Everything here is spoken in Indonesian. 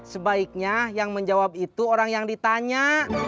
sebaiknya yang menjawab itu orang yang ditanya